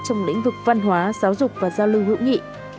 trong lĩnh vực văn hóa giáo dục và giao lưu hữu nghị